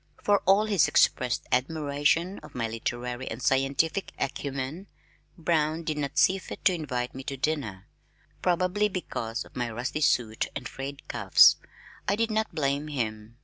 For all his expressed admiration of my literary and scientific acumen, Brown did not see fit to invite me to dinner, probably because of my rusty suit and frayed cuffs. I did not blame him.